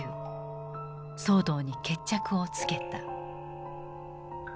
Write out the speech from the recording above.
騒動に決着をつけた。